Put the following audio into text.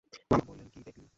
মামা বললেন, কি, দেখলি?